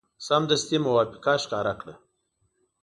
سمدستي موافقه ښکاره کړه.